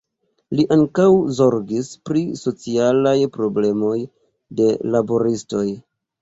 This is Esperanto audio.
Li ankaŭ zorgis pri socialaj problemoj de laboristoj.